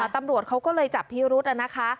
ตำรวจเขาก็เลยจับพิรุธนะคะ